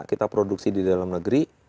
kita produksi di dalam negeri